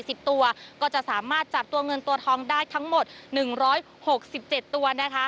สิบตัวก็จะสามารถจับตัวเงินตัวทองได้ทั้งหมดหนึ่งร้อยหกสิบเจ็ดตัวนะคะ